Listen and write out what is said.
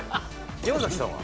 山崎さんは？